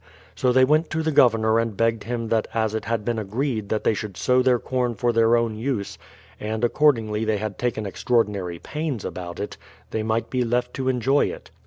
So they went to the Governor and begged him that as it had been agreed that they should sow their corn for their own use, and accordingly they had taken extraordinary pains about it, they might be left to enjoy it.